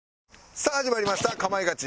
さあ始まりました『かまいガチ』。